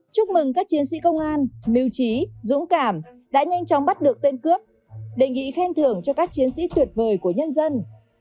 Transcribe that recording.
chúc mừng các chiến sĩ công an mưu trí dũng cảm đã nhanh chóng bắt được tên cướp đề nghị khen thưởng cho các chiến sĩ tuyệt vời của nhân dân